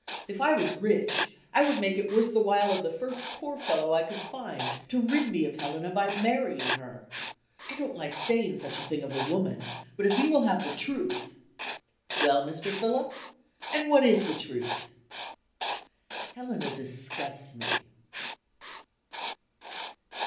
If I was rich, I would make it worth the while of the first poor fellow I could find to rid me of Helena by marrying her. I don't like saying such a thing of a woman, but if you will have the truth " "Well, Mr. Philip and what is the truth?" "Helena disgusts me."